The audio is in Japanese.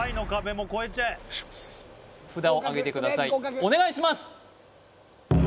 お願いします